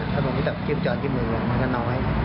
ถ้าไปสับจิ้มจอดที่มือมันก็น้อย